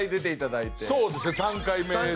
そうですね３回目ですね。